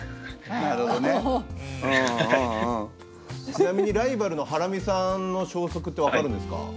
ちなみにライバルのハラミさんの消息って分かるんですか？